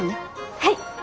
はい！